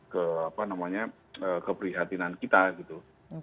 ke apa namanya keprihatinan kita gitu